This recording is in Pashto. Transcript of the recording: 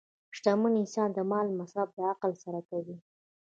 شتمن انسان د مال مصرف د عقل سره کوي.